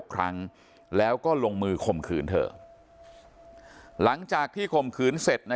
ครั้งแล้วก็ลงมือข่มขืนเธอหลังจากที่ข่มขืนเสร็จนะ